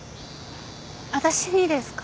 私にですか？